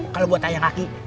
kalau buat tanya kaki